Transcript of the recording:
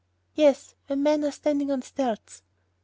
"Yes, when men are standing on stilts."